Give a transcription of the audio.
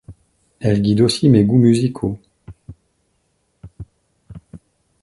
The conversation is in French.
Elle guide aussi mes goûts musicaux.